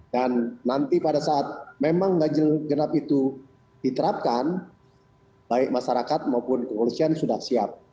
dan nanti pada saat memang gajeng genap itu diterapkan baik masyarakat maupun kekolosian sudah siap